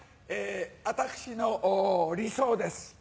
私の理想です。